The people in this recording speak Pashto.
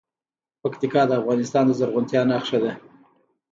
پکتیکا د افغانستان د زرغونتیا نښه ده.